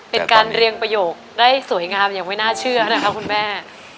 เป็นการเรียงประโยคได้สวยงามอย่างไม่น่าเชื่อนะคะคุณแม่